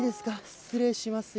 失礼しますよ。